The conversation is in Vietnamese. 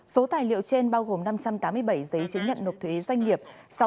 số tài liệu trên bao gồm năm trăm tám mươi bảy giấy chứng nhận nộp thuế doanh nghiệp